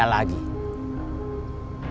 sekarang kamu berdiri lagi